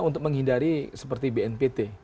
untuk menghindari seperti bnpt